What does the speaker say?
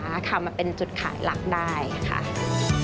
ทำมาเป็นจุดขายหลักได้ครับ